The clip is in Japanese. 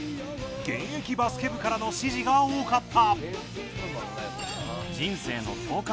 現役バスケ部からの支持が多かった。